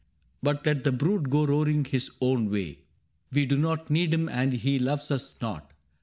But let the brute go roaring his own way : We do not need him, and he loves us not.